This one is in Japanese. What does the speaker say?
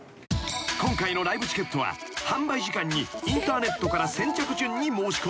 ［今回のライブチケットは販売時間にインターネットから先着順に申し込む］